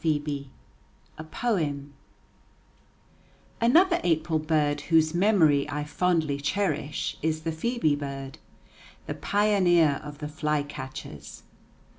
THE PHŒBE Another April bird whose memory I fondly cherish is the phœbe bird, the pioneer of the flycatchers.